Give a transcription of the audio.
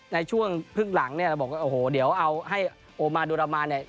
ในช่วงพึ่งหลังเราบอกว่าโอโหเดี๋ยวเอาให้โอมาอันดูรามา